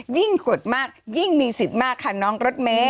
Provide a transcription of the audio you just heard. กดมากยิ่งมีสิทธิ์มากค่ะน้องรถเมย